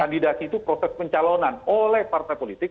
kandidati itu protes pencalonan oleh partai politik